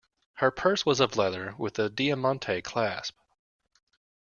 Her purse was of leather, with a diamante clasp.